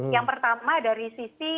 yang pertama dari sisi